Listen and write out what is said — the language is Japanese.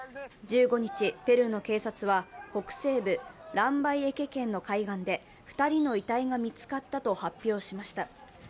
１５日、ペルーの警察は北西部ランバイエケ県の海岸で２人の遺体が見つかったと発表しました。